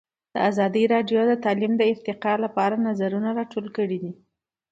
ازادي راډیو د تعلیم د ارتقا لپاره نظرونه راټول کړي.